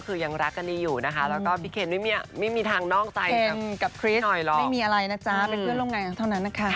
เขาก็ไม่ว่าอย่างไรเขารู้เขาก็รู้อยู่แล้ว